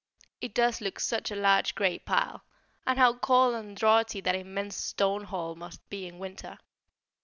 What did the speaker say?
It does look such a large grey pile: and how cold and draughty that immense stone hall must be in winter!